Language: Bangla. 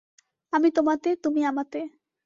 আমি তোমাতে, তুমি আমাতে।